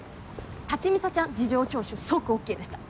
タチミサちゃん事情聴取即ＯＫでした。